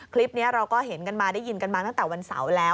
คลิปนี้เราก็เห็นกันมาได้ยินกันมาตั้งแต่วันเสาร์แล้ว